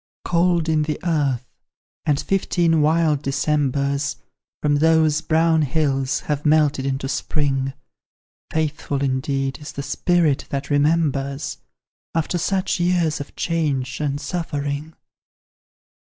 Cold in the earth and fifteen wild Decembers, From those brown hills, have melted into spring: Faithful, indeed, is the spirit that remembers After such years of change and suffering!